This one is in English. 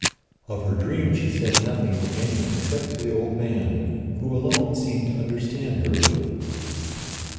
Of her dream she said nothing to any except to the old man who alone seemed to understand her a little.